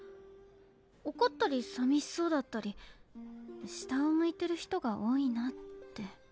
おこったりさみしそうだったり下を向いてる人が多いなって。